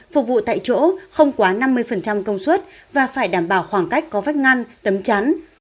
phục vụ tại chỗ không quá năm mươi công suất và phải đảm bảo khoảng cách có vách ngăn tấm chắn